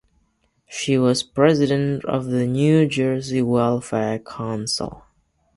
She was president of the New Jersey Welfare Council.